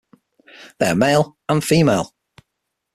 They are male and female.